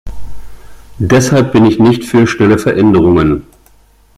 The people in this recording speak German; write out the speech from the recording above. Deshalb bin ich nicht für schnelle Veränderungen!